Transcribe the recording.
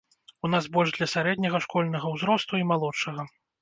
У нас больш для сярэдняга школьнага ўзросту і малодшага.